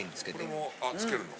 これもつけるの。